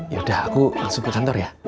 yaudah aku langsung ke kantor ya